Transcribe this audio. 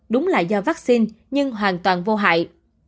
đúng là do vaccine nhưng hoàn toàn vô hại